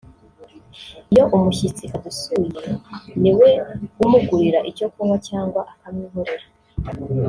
iyo umushyitsi adusuye niwe umugurira icyo kunywa cyangwa akamwihorera